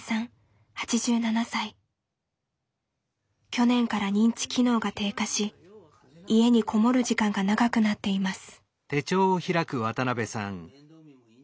去年から認知機能が低下し家にこもる時間が長くなっています。